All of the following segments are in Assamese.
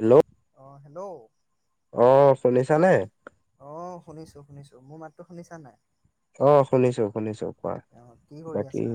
হেল্ল! অ হেল্ল! অ শুনিছা নে? অ শুনিছো শুনিছো। মোৰ মাতটো শুনিছা নাই? অ শুনিছো শুনিছো কোৱা অ কি কৰি বাকী আছা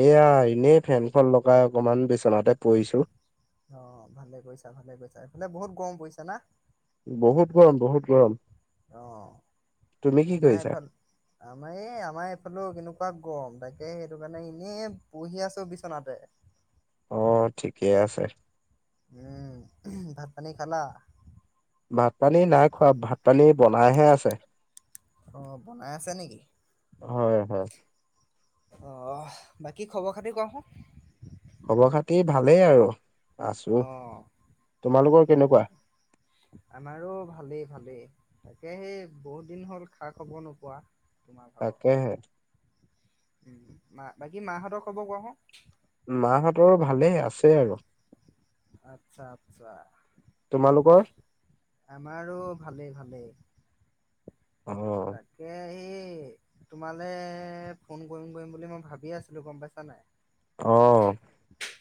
এয়া এনেই ফেনখন লগাই অকমান বিচনাতে পৰিছো। অ ভালে কৰিছা, ভালে কৰিছা, সেইফালে বহুত গৰম পৰিছা না? বহুত গৰম বহুত গৰম। অ তুমি কি আমাৰ কৰিছা এইফাল আমাৰ এই আমাৰ এইফালে কেনেকুৱা গৰম তাকে, সেইটো কাৰণে এনেই বহি আছো বিচনাতে। অ ঠিকে আছে। উম ভাত পানী খালা? ভাত পানী নাই খোৱা, ভাত পানী বনাইহে আছে। অ বনাই আছে নেকি? হয় হয়। অ বাকী খবৰ খাতি কচোন। খবৰ খাতি ভালেই আৰু আছো, অ তোমালোকৰ তাকে কেনেকুৱা? তাকে আমাৰো ভালেই ভালেই, তাকে সেই বহুত দিন হ'ল খা-খবৰ নোপোৱা। তোমাৰ ভাগৰ তাকেহে। মা বাকী মাহঁতৰ খবৰ কোৱা চোন। মাহঁতৰ ভালেই আছে আৰু। আচ্ছা আচ্ছা। তোমালোকৰ আমাৰো ভালেই ভালেই। অ তাকে সেই তোমালে ফোন কৰিম কৰিম বুলি মই ভাবিয়ে আছিলোঁ গম পাইছা নাই অ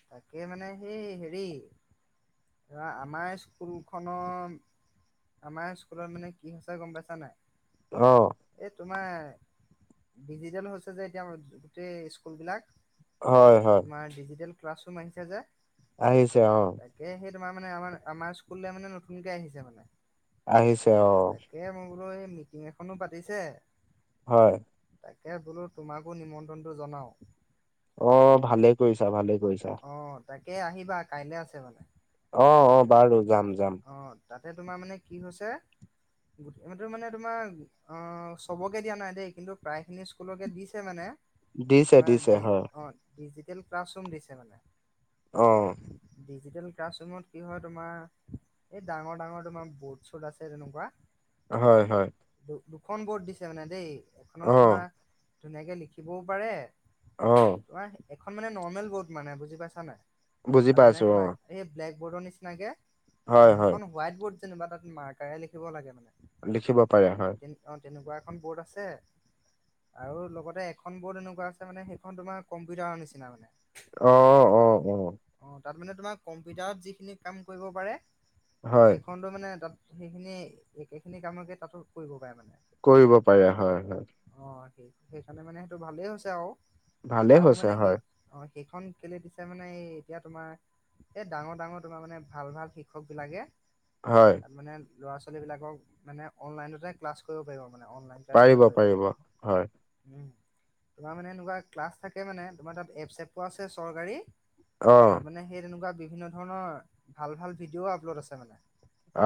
তাকে মানে সেই হেৰি ধৰা আমাৰ স্কুলখনত আমাৰ স্কুলত মানে কি হৈছে গম পাইছা নাই। অ এই তোমাৰ ডিজিটেল হৈছে যে এতিয়া গোটেই স্কুল বিলাক হয় হয় তোমাৰ ডিজিটেল ক্লাছ ৰুম আহিছে যে আহিছে অ তাকে সেই তোমাৰ মানে আমাৰ আমাৰ স্কুললৈ মানে নতুনকে আহিছে মানে আহিছে অ। এ মই বোলো এই মিটিং এখনো পাতিছে। হয়। তাকে বোলো তোমাকো নিমন্ত্ৰণটো জনাও। অ ভালে কৰিছাঁ ভালে কৰিছাঁ। অ তাকে আহিবা কাইলৈ আছে মানে অ অ বাৰু যাম যাম অঁ। তাতে তোমাৰ মানে কি হৈছে সেইটো মানে। তোমাৰ অ চবকে দিয়া নাই দেই, কিন্তু প্ৰায় খিনি স্কুলকে দিছে মানে। দিছে তোমাৰ দিছে হয় অ ডিজিটেল ক্লাছৰুম দিছে মানে। অ। ডিজিটেল ক্লাছৰুমত কি হয় তোমাৰ। এই ডাঙৰ ডাঙৰ তোমাৰ বট চট আছে তেনেকুৱা। হয় হয়। দু দুখন বৰ্ড দিছে মানে দেই, অ এখনত তোমাৰ ধুনীয়াকে লিখিবও পাৰে। অহ। এইখন মানে নৰ্মেল বৰ্ড মানে বুজি পাইছা নাই বুজি তাত মানে পাইছো অ তোমাৰ। এই ব্লেক বৰ্ডৰ নিচিনাকে হয় হয় সেইখন হোৱাইট বৰ্ড যেনিবা তাত মাৰ্কাৰে লিখিব লাগে মানে। লিখিব। পাৰে হয় অ তেনেকুৱা এখন বৰ্ড আছে। আৰু লগতে এখন বৰ্ড এনেকুৱা আছে মানে সেইখন তোমাৰ কম্পিউটাৰৰ নিচিনা মানে। অ অ অ। অ তাত মানে তোমাৰ কম্পিউটাৰত যিখিনি কাম কৰিব পাৰে হয় সেইখন। মানে তাত সেইখিনি একে খিনি কামকে তাতো কৰিব পাৰে মানে। কৰিব পাৰে হয় হয়। অ সেই সেইকাৰণে মানে সেইটো ভালেই হৈছে আৰু ভালে আৰু হৈছে মানে হয় সেই। অ সেইখন কেলে দিছে মানে এই এতিয়া তোমাৰ। এ ডাঙৰ ডাঙৰ তোমাৰ মানে ভাল ভাল শিক্ষক বিলাকে। হয়। তাত মানে ল'ৰা ছোৱালীবিলাকক মানে অনলাইনতে ক্লাছ কৰিব পাৰিব মানে অনলাইন। ক্লাছ কৰিব পাৰিব। উ তোমাৰ মানে এনেকুৱা ক্লাছ থাকে মানে তোমাৰ তাত এপচ চেপটো আছে চৰকাৰী। অ তাৰ মানে সেই তেনেকুৱা বিভিন্ন ধৰণৰ ভাল ভাল ভিডিঅ' আপলোড আছে মানে।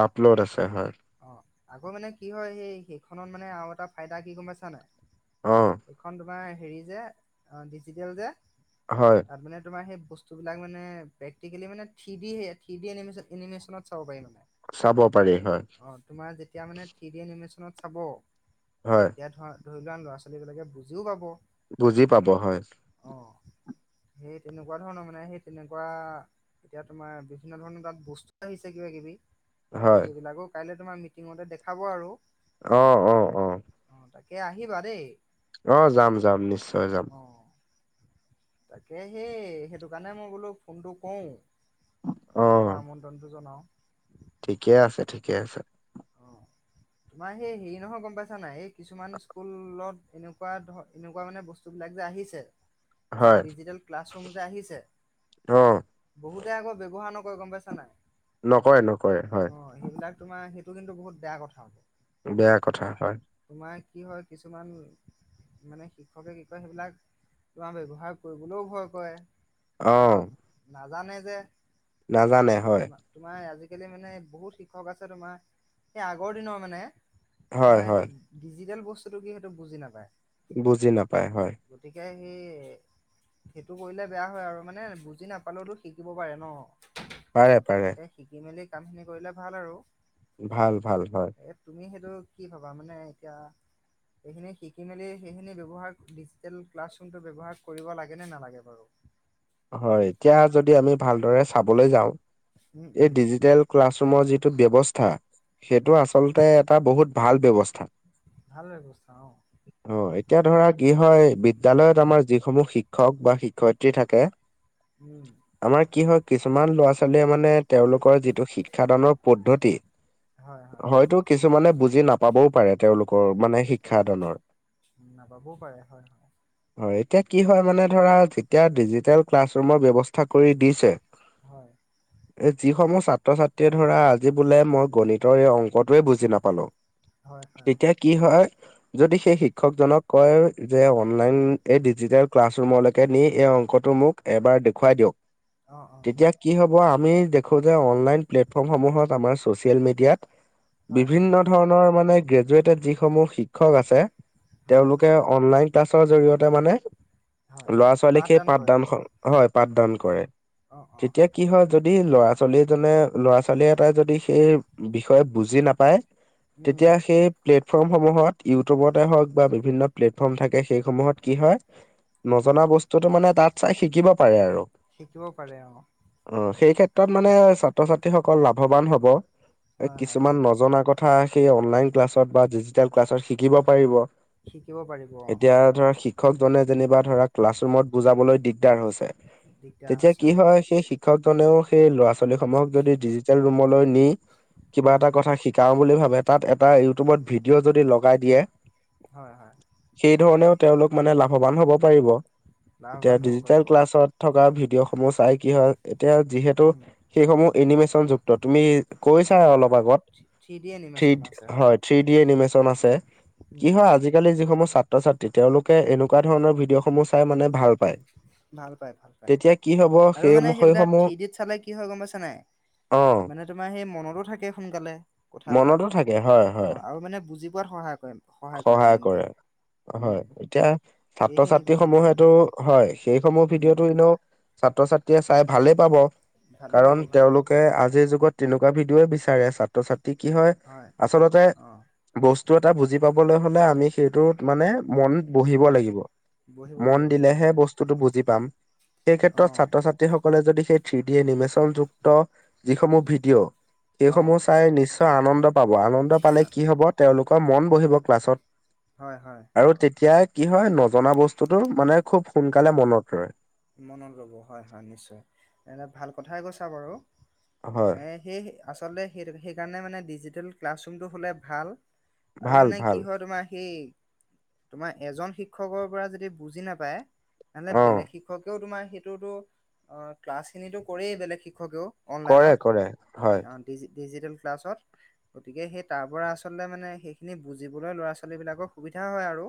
আপলোড আছে হয়। অ' আকৌ মানে কি হয়, সেইখনত মানে আৰু এটা ফাইদা কি গম পাইছা নাই? অ'। এইখন তোমাৰ হেৰি যে, অ' ডিজিটেল যে। হয়। তাত মানে তোমাৰ হে বস্তুবিলাক মানে, প্ৰেক্টিকেলি মানে থ্ৰিডি, থ্ৰিডি এনিমে এনিমে্চনত চাব পাৰি মানে। চাব পাৰি হয়। অঁ তোমাৰ যেতিয়া মানে থ্ৰী ডি এনিমেশ্যনত চাব। হয়। এতিয়া ধৰা ধৰি লোৱা লৰা ছোৱালীবিলাকে বুজিও পাব। বুজি পাব হয়। অ' সে তেনেকুৱা ধৰণৰ মানে সে তেনেকুৱা। এতিয়া তোমাৰ বিভিন্ন ধৰণৰ তাত বস্তু আহিছে কিবা কিবি। হয় সেইবিলাকো কাইলে তোমাৰ মিটিঙতে দেখাব আৰু। অ' অ' অ'। অ' তাকে আহিবা দেই। অ', যাম, যাম নিশ্চয় যাম। অ তাকে সেই, সেইটো কাৰণে মই বোলো ফোনটো কৰোঁ। অ তোমাকো আমন্ত্ৰণটো জনাওঁ। ঠিকে আছে, ঠিকে আছে। অ [inaudible] তোমাৰ সেই হেৰি নহয় গম পাইছা নাই? এই কিছুমান স্কুলত এনেকুৱা ধৰ, এনেকুৱা মানে বস্তু [unintelligible] যে আহিছে। [inaudible] ডিজিটেল ক্লাছৰুম যে আহিছে। অ' বহুতে আকৌ ব্যৱহাৰ নকৰে, গম পাইছা নাই? নকৰে, নকৰে হয়। অ সেইবিলাক তোমাৰ, সেইটো কিন্তু বহুত বেয়া কথা। বেয়া কথা হয়। তোমাৰ কি হয়, কিছুমান মানে শিক্ষকে কি কয়, সেইবিলাক তোমাৰ ব্যৱহাৰ কৰিবলৈও ভয় কৰে, মানে অ' নাজানে যে। নাজানে হয়। তোমাৰ আজিকালি মানে বহুত শিক্ষক আছে, তোমাৰ সেই আগৰ দিনৰ মানে, হয় তোমাৰ হয় সেইটো ডিজিটেল বস্তুটো কি, সেইটো বুজি নাপায়। বুজি নাপায় হয়। গতিকে হে সেইটো কৰিলে বেয়া হয় আৰু মানে, বুজি নাপালেওতো শিকিব পাৰে ন'। পাৰে পাৰে। গতিকে শিকি মেলি কামখিনি কৰিলে ভাল আৰু। ভাল, ভাল, হয়। এ তুমি সেইটো কি ভাবা? মানে এতিয়া এইখিনি শিকি মেলি, সেইখিনি ব্যৱহাৰ, ডিজিটেল ক্লাছৰুমটো ব্যৱহাৰ কৰিব লাগে নে নালাগে বাৰু? হয়, এতিয়া যদি আমি ভালদৰে চাবলে যাওঁ, উম এই উম ডিজিটেল ক্লাছৰুমৰ যিটো ব্যৱস্থা, সেইটো হয় আচলতে এটা বহুত ভাল ব্যৱস্থা। ভাল ব্যৱস্থা অ'। অ', এতিয়া ধৰা কি হয়, বিদ্যালয়ত আমাৰ যিসমূহ শিক্ষক বা শিক্ষয়িত্ৰী থাকে। উম'। আমাৰ কি হয়, কিছুমান ল'ৰা ছোৱালীয়ে মানে- তেওঁলোকৰ যিটো শিক্ষাদানৰ পদ্ধতি, হয় হয় হয়তো- কিছুমানে বুজি নাপাবও পাৰে তেওঁলোক- কৰ মানে শিক্ষাদানৰ। নাপাবও পাৰে হয় হয়। হয়, এতিয়া কি হয় মানে ধৰা, যেতিয়া ডিজিটেল ক্লাছৰৰুমৰ ব্যৱস্থ- থা কৰি দিছে। হয় এ যিসমূহ ছাত্ৰ-ছাত্ৰীয়ে ধৰা আজি বোলে মই গণিতৰ এই অংকটোৱে বুজি নাপালো, হয় - হয় তেতিয়া কি হয়? যদি, সেই শিক্ষক জনক কয়, যে অনলাইন এই ডিজিেল ক্লাছৰুমলৈকে নি এই অংকটো মোক- এবাৰ দেখুৱাই দিয়ক, অ অ তেতিয়া- কি হ'ব আমি দেখো যে অনলাইন প্লেটফৰ্মসমূহত, আমাৰ ছচিয়েল মিডিয়াত- হয় হয় বিভিন্ন ধৰণৰ মানে গ্ৰেজুৱেটেড যিসমূহ শিক্ষক আছে, হয় তেওঁলোকে অনলাইন- ক্লাছৰ জৰিয়তে মানে, হয়। ল'ৰা ছোৱালীক সেই পাঠদান কৰে পাঠদানখন- হয়, পাঠদান কৰে। অ অ তেতিয়া কি হয়, যদি ল'ৰা ছোৱালীজনে- ল'ৰা ছোৱালী এটাই যদি সেই বিষয়ে বুজি নাপায়, উম তেতিয়া সেই- প্লেটফৰ্মসমূহত, ইউটিউবতে হওঁক বা বিভিন্ন প্লেটফৰ্ম থাকে সেইসমূহত কি হয়- নজনা হয়। বস্তুটো মানে তাত চাই শিকিব পাৰে আৰু। শিকিব পাৰে অ অঁ' সেইক্ষেত্ৰত মানে ছাত্ৰ-ছাত্ৰীসকল লাভৱান হ'ব। এ হয় হয় কিছুমান হয় নজনা কথা সেই অনলাইন- ক্লাছত বা ডিজিটেল ক্লাছত শিকিব পাৰিব। শিকিব পাৰিব অ এতিয়া ধৰা শি- ক্ষকজনে যেনিবা ধৰা, ক্লাছ ৰূমত বুজাবলৈ দিগদাৰ হৈছে, দিগদাৰ তেতিয়া হৈছে কি অ। হয় সেই শিক্ষ- শিক্ষকজনেও সেই ল'ৰা-ছোৱালীসমূহক যদি ডিজিটেল ৰূমলৈ নি কিবা উম এটা কথা শি- শিকাও বুলি ভাবে, তাত এটা ইউ টিউবত ভিডিঅ' যদি লগাই দিয়ে- হয় হয়। সেই ধৰণেও তেওঁলোক মানে লাভৱান হ'ব পাৰিব। লাভবান হ'ব পাৰিব, হয়। তত থকা ভিডিঅ'সমূহ চাই কি হয়, - এতিয়া যিহেতু উম সেইসমূহ এনিমেচনযুক্ত, তুমি কৈছাই হয় অলপ হয়। আগত। থ্ৰী ডি এনিমেচন থ্ৰীত আছে হয় থ্ৰী ডি এনিমেচন আছে। উম কি হয় উম আজি- আজিকালি যিসমূহ ছাত্ৰ-ছাত্ৰী, তেওঁলোকে এনেকুৱা ধৰণৰ ভিডিঅ'সমূহ চাই মানে ভাল পায়। ভাল পায়, ভাল পায়। তেতিয়া কি হব আৰু সেই মানে সেইবিলাক সেইসমূহ থ্ৰী ডিত চালে কি হয় গম পাইছা নাই? অ মানে তোমাৰ সেই মনতো থাকে সোনকালে কথাবিলাক। মনতো থাকে হয় হয় অঁ আৰু মানে বুজি পোৱাত সহায়- কৰে সহায় কৰে মেইনকে। হয়, উম এতিয়া সেইখিনি কথাখিনি ছাত্ৰ-ছাত্ৰীসমূহেতো হয়, সেইসমূহ উম ভিডিঅ'টো এনেও- ছাত্ৰ-ছাত্ৰীয়ে চাই ভালেই পাব। ভালেই কাৰণ পাব ভালেই পাব তেওঁলোকে অ আজিৰ যুগত- তেনেকুৱা ভিডিঅ'য়ে বিচাৰে ছাত্ৰ-ছাত্ৰী কি হয় আচলতে- অ বস্তু এটা বুজি পাবলৈ হ'লে আমি সেইটোত মানে মন- উম বহিব লাগিব। বহিব মন লাগিব বহিব দিলেহে লাগিব বস্তুটো বুজি পাম। অ সেইক্ষেত্ৰত ছাত্ৰ-ছাত- ত্ৰীসকলে যদি সেই থ্ৰী ডি এনিমেচনযুক্ত যিসমূহ ভিডিঅ'- অ সেইসমূহ চাই নিশ্চয় আনন্দ পাব। আনন্দ পালে কি হ'ব তেওঁলোকৰ মন বহিব ক্লাছত। হয় হয়। আৰু তেতিয়াই কি হয়, নজনা বস্তুটো মানে খুউব সোনকালে মনত ৰয়। মনত ৰ'ব, হয় হয়, নিশ্চয়। এনে ভাল কথাই কৈছা বাৰু। হয় এই- সেয়েহে, আচলতে সেই সেইকাৰণে মানে ডিজিটেল ক্লাছৰূমটো হ'লে ভাল। আৰু ভাল মানে কি ভাল হয়, তোমাৰ সেই তোমাৰ এজন শিক্ষকৰ পৰা যদি বুজি নাপায়, তেনেহ'লে অ বেলেগ শিক্ষ কেও তোমাৰ সেইটোতো, অ', ক্লাছখিনিতো কৰেই বেলেগ শিক্ষকেও। কৰে অনলাইনত, কৰে হয় ডিজ-ডিজিটেল ক্লাছত। গতিকে সেই তাৰপৰা আচলতে মানে সেইখিনি বুজিবলৈ ল'ৰা-ছোৱালীবিলাকৰ সুবিধা হয় আৰু।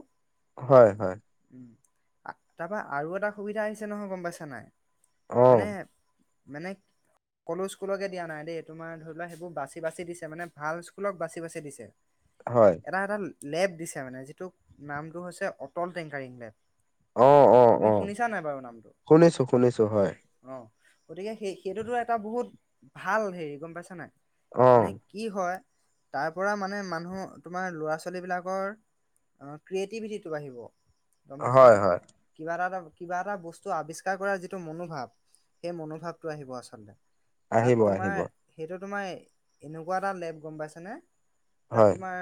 হয়, হয়। উম, আ, তাৰপৰা আৰু এটা সুবিধা আহিছে নহয়, গম পাইছা নে নাই? অ মানে, মানে সকলো স্কুলকেই দিয়া নাই দেই, তোমাৰ ধৰি লোৱা, সেইবোৰ বাচি, বাচি দিছে, মানে ভাল স্কুলক বাচি, বাচি দিছে। হয়। এটা-এটা লেব দিছে, মানে যিটোৰ নামটো হৈছে, অটল টেংকাৰিং লেব। অ', অ'। তুমি অ শুনিছা নে নাই বাৰু নামটো? শুনিছো শুনিছো হয় অ', গতিকে সেই, সেইটোতো এটা বহুত ভাল হেৰি, গম পাইছা নে নাই? অ মানে কি হয়, তাৰপৰা মানে মানুহ তোমাৰ ল'ৰা-ছোৱালীবিলাকৰ অহ ক্ৰিয়েটিভিটিটো বাঢ়িব, গম পাইছানে, হয় হয় কিবা এটা, এটা কিবা এটা বস্তু আৱিষ্কাৰ কৰা যিটো মনোভাৱ, সেই মনোভাৱটো আহিব আচলতে। তাত আহিব তোমাৰ আহিব সেইটো তোমাৰ এনেকুৱা এটা লেব, গম পাইছানে? তাত হয় তোমাৰ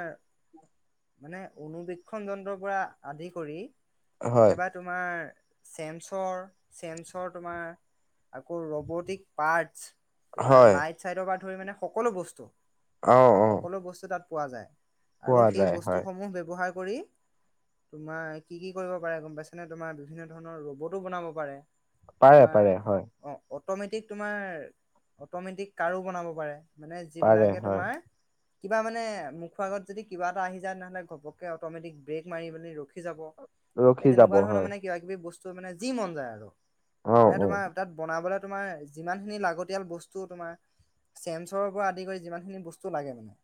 মানে অনুবীক্ষণ যন্ত্ৰৰ পৰা আদি কৰি হয় একেবাৰে তোমাৰ চেমছ'ৰ, চেমছ'ৰ তোমাৰ, আকৌ ৰ'বটিক পাৰ্টছ। তোমাৰ হয় লাইট চাইটৰ পৰা ধৰি মানে সকলো বস্তু, অ অ সকলো বস্তু তাত পোৱা যায়। আৰু পোৱা সেই যায় হয় বস্তুসমূহ ব্যৱহাৰ কৰী, তোমাৰ কি, কি কৰিব পাৰে গম পাইছ নে, তোমাৰ বিভিন্ন ধৰনৰ ৰ'বটো বনাব পাৰে, পাৰে পাৰে হয় তোমাৰ অ', অট'মেটিক তোমাৰ, অট'মেটিক কাৰো বনাব পাৰে। মানে পাৰে যিবিলাকে হয় তোমাৰ কিবা মানে, মুখৰ আগত যদি কিবা এটা আহি যায়, তেনেহ'লে ঘপকে অট'মেটিক ব্ৰেক মাৰি পেলি, ৰখি যাব। ৰখি সেই যাব তেনেকুৱা ধৰণৰ হয় মানে কিবা-কিবি বস্তু মানে যি মন যায় আৰু, অ মানে অ তোমাৰ তাত বনাবলৈ তোমাৰ যিমানখিনি লাগতিয়াল বস্তু তোমাৰ চেনছৰ পৰা আদি কৰি যিমানখিনি বস্তু লাগে মানে।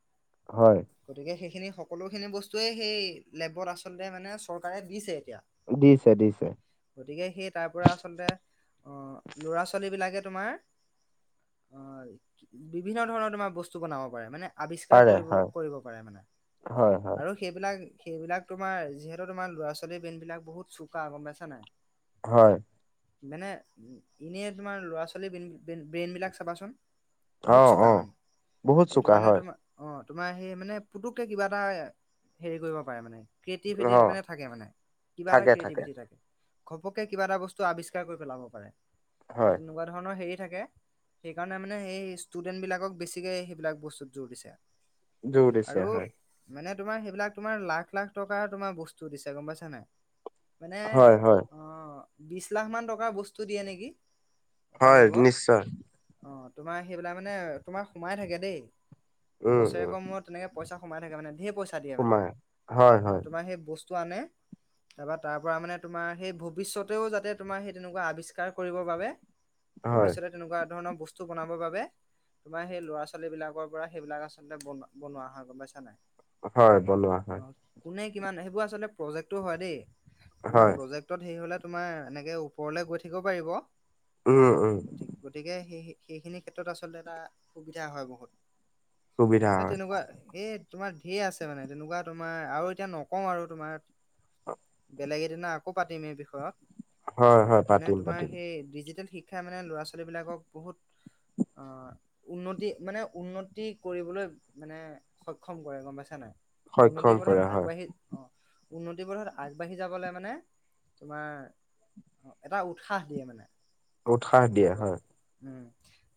হয়। গতিকে, সেইখিনি সকলোখিনি বস্তুৱেই, সেই লেবত আচলতে মানে, চৰকাৰে দিছে এতিয়া। দিছে, দিছে। গতিকে, সেই তাৰ পৰা আচলতে, অ', ল'ৰা-ছোৱালী বিলাকে তুমাৰ অ', বিভিন্ন ধৰণৰ তোমাৰ বস্তু বনাব পাৰে, মানে আৱিষ্কাৰ পাৰে কৰিব, হয় কৰিব পাৰে মানে, হয় হয় আৰু সেইবিলাক, সেইবিলাক তোমাৰ যিহেতু তোমাৰ ল'ৰা-ছোৱালী ব্ৰেইন বিলাক বহুত চোকা, গম পাইছা নাই? হয়। মানে, এনে তোমাৰ ল'ৰা-ছোৱালী ব্ৰে, ব্ৰেইন বিলাক চাবাচোন। অ বহুত চোকা অ মানে, বহুত এইটো চোকা কাৰণে হয় তোমাৰ অ', তোমাৰ সেই মানে, পুতককে কিবা এটা, হেৰি কৰিব পাৰে মানে। অ ক্ৰিয়েটিভিটি মানে থাকে মানে, কিবা এটা ক্ৰিয়েটিভিটি থাকে। ঘপকে কিবা এটা বস্তু আৱিষ্কাৰ কৰি পেলাব পাৰে, সেই হয় তেনেকুৱা ধৰণৰ হেৰি থাকে। সেইকাৰণে মানে, এই ষ্টুডেন্ট বিলাকক বেছিকে সেইবিলাক বস্তুত জোৰ দিছে। জোৰ দিছে আৰু হয় মানে তোমাৰ সেইবিলাক তোমাৰ লাখ-লাখ টকাৰ তোমাৰ বস্তু দিছে গম পাইছা নাই। মানে হয় হয় অ বিশ লাখ মান টকাৰ বস্তু দিয়ে নেকি এটা হয় লেবত? নিশ্চয় অ তোমাৰ সেইবিলাক মানে তোমাৰ সোমাই থাকে দেই, উম উম বছৰেকৰ মোৰ তেনেকে পইচা সোমাই থাকে মানে ধেৰ পইচা দিয়ে মানে সোমাই হয় অ, হয় তোমাৰ সেই বস্তু আনে, তাৰপাৰ পৰা মানে তোমাৰ সেই ভৱিষ্যতেও যাতে তোমাৰ সেই তেনেকুৱা আৱিষ্কাৰ কৰিবৰ বাবে হয় ভৱিষ্যতে তেনেকুৱা ধৰণৰ বস্তু বনাবৰ বাবে তোমাৰ সেই ল'ৰা-ছোৱালী বিলাকৰ পৰা সেইবিলাক আচলতে বন বনোৱা হয় গম পাইছা নাই? হয়, বনোৱা অ হয়। কোনে কিমান সেইবোৰ আচলতে প্ৰজেক্টটো হয় দেই, আমাৰ হয় জেক্তত হেৰু হ'লে তুমাৰ এনেক ওপৰলে গৈ থাকিব পাৰিব। উম উম। গতি গতিকে সেই সেইখিনি ক্ষেত্ৰত আচলতে এটা সুবিধা হয় বহুত। সুবিধা এ হয় তেনেকুৱা এই তোমাৰ ঢেৰ আছে মানে তেনেকুৱা তোমাৰ আৰু এতিয়া নকওঁ আৰু তোমাৰ বেলেগ এদিনা আকৌ পাতিম এই হয় হয় বিষয়ত। মানে পাতিম তোমাৰ পাতিম সেই ডিজিটেল শিক্ষাই মানে লৰা-ছোৱালী বিলাকক বহুত অ। উন্নতি মানে উন্নতি কৰিবলৈ মানে সক্ষম কৰে গম পাইছা নাই? সক্ষম উন্নতি কৰে পথত হয় আগবাঢ়ি অ, উন্নতি পথত আগবাঢ়ি যাবলে মানে তোমাৰ এটা উৎসাহ দিয়ে মানে। উৎসাহ দিয়ে হয়। উম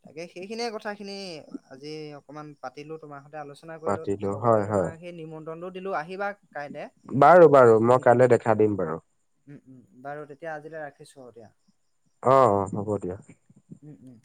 তাকে সেইখিনিয়ে কথা খিনি আজি অকনমান পাতিলো তোমাৰ সৈতে আলোচনা আলোচনা পাতিলো কৰিলো লগতে হয় হয় তোমাক সেই নিমন্ত্ৰণটো দিলোঁ আহিবা কাইলৈ। বাৰু বাৰু মই কাইলৈ দেখা দিম বাৰু। উম উম বাৰু তেতিয়া আজিলৈ ৰাখিছোঁ অ দিয়া। অ অ হ'ব দিয়া। উম উম।